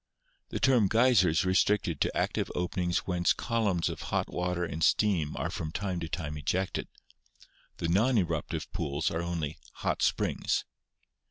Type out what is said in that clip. The term geyser is restricted to active openings whence col umns of hot water and steam are from time to time ejected; the non eruptive pools are only hot springs.